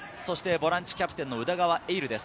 ボランチキャプテンの宇田川瑛琉です。